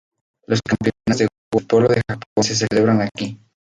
Los Campeonatos de Waterpolo de Japón se celebran aquí.